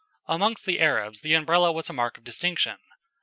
Amongst the Arabs the Umbrella was a mark of distinction.